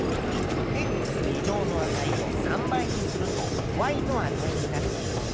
の値を３倍にするとの値になっている。